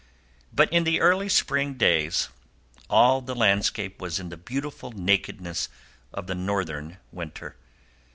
But in the early spring days all the landscape was in the beautiful nakedness of the northern winter.